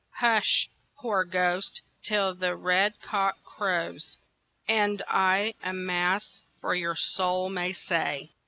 "Hush, poor ghost, till the red cock crows, And I a Mass for your soul may say."